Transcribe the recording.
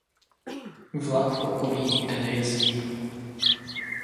Vlak v okolí nikde nejezdí.